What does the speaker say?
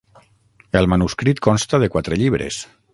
El manuscrit consta de quatre llibres.